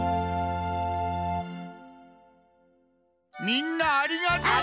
みんなありがとう！